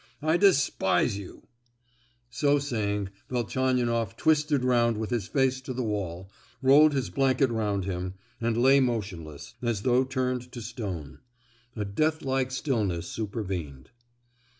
I despise you!" So saying, Velchaninoff twisted round with his face to the wall, rolled his blanket round him, and lay motionless, as though turned to stone. A deathlike stillness supervened.